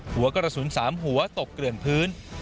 หัวกระสุน๓หัวตกเกลื่อนพื้น